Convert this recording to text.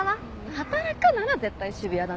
働くなら絶対渋谷だね